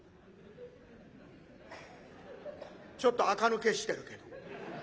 ちょっとあか抜けしてるけど。